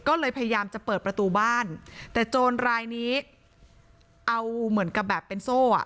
ก็เลยพยายามจะเปิดประตูบ้านแต่โจรรายนี้เอาเหมือนกับแบบเป็นโซ่อ่ะ